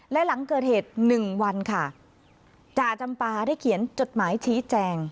และหลังเกิดเหตุหนึ่งวันค่ะจ่าจำปาได้เขียนจดหมายชี้แจง